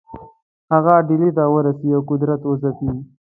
هغه ډهلي ته ورسي او قدرت وځپي.